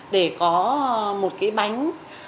để có một cái bánh